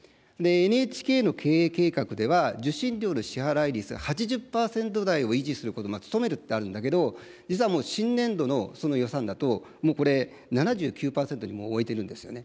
ＮＨＫの経営計画では、受信料の支払率８０％台を維持することを努めるってあるんだけど、実はもう新年度のその予算だと、もうこれ、７９％に置いてるんですよね。